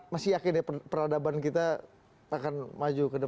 masih yakin ya peradaban kita akan maju ke depan